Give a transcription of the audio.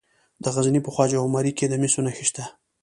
د غزني په خواجه عمري کې د مسو نښې شته.